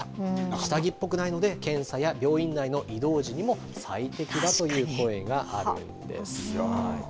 下着っぽくないので、検査や病院内の移動時にも最適だという声があるんですよ。